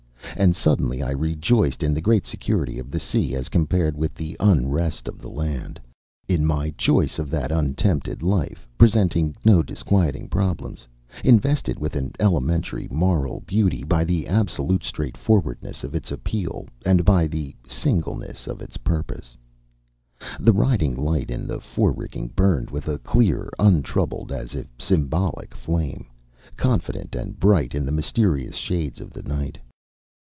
And suddenly I rejoiced in the great security of the sea as compared with the unrest of the land, in my choice of that untempted life presenting no disquieting problems, invested with an elementary moral beauty by the absolute straightforwardness of its appeal and by the singleness of its purpose. The riding light in the forerigging burned with a clear, untroubled, as if symbolic, flame, confident and bright in the mysterious shades of the night.